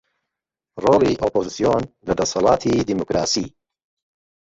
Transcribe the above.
ڕۆڵی ئۆپۆزسیۆن لە دەسەڵاتی دیموکراسی